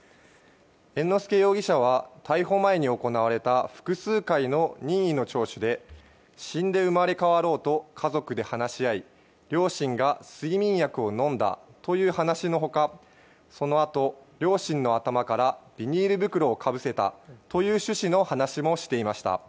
猿之助容疑者は逮捕前に行われた複数回の任意の聴取で死んで生まれ変わろうと家族で話し合い両親が睡眠薬を飲んだという話の他、そのあと両親の頭からビニール袋をかぶせたという趣旨の話もしていました。